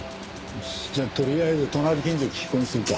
よしじゃあとりあえず隣近所に聞き込みするか。